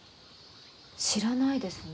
知らないですね。